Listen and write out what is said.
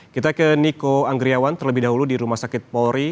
kita ke niko anggriawan terlebih dahulu di rumah sakit polri